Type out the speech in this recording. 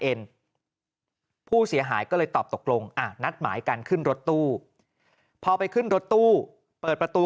ผู้เสียหายก็เลยตอบตกลงอ่ะนัดหมายกันขึ้นรถตู้พอไปขึ้นรถตู้เปิดประตู